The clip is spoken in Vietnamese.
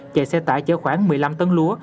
chạy xe tải chở khoảng một mươi năm tấn lúa